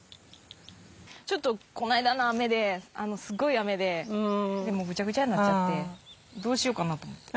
ちょっとこの間の雨ですっごい雨でぐちゃぐちゃになっちゃってどうしようかなと思って。